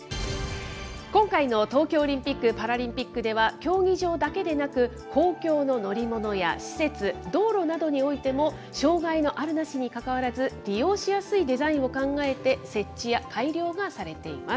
今回の東京オリンピック・パラリンピックでは、競技場だけでなく、公共の乗り物や施設、道路などにおいても、障害のあるなしにかかわらず、利用しやすいデザインを考えて、設置や改良がされています。